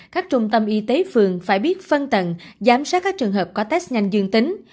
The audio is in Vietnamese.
các trung tâm y tế phường phải biết phân tầng giám sát các trường hợp có test nhanh dương tính